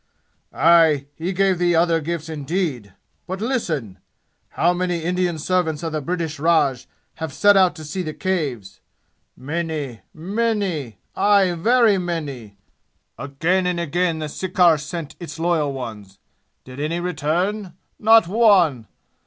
"Aye! He gave thee other gifts indeed! But listen! How many Indian servants of the British Raj have set out to see the Caves? Many, many aye, very many! Again and again the sirkar sent its loyal ones. Did any return? Not one!